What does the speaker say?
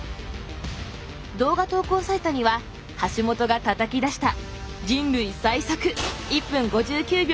動画投稿サイトには橋本がたたき出した人類最速１分５９秒の記録が残されています。